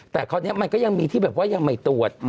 แต่คราวนี้มันก็ยังมีที่แบบว่ายังไม่ตรวจ